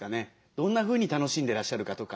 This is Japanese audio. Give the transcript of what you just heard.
どんなふうに楽しんでらっしゃるかとか。